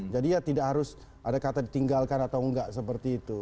jadi ya tidak harus ada kata ditinggalkan atau nggak seperti itu